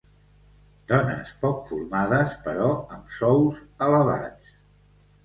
Dones poc formades però amb sous elevats.